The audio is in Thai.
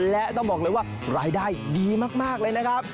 และต้องบอกเลยว่ารายได้ดีมากเลยนะครับ